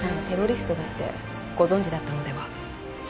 テロリストだってご存じだったのでは？